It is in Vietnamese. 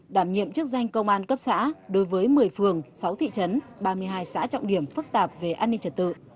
đảm nhiệm chức danh công an cấp xã đối với một mươi phường sáu thị trấn ba mươi hai xã trọng điểm phức tạp về an ninh trật tự